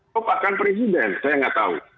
kok bahkan presiden saya nggak tahu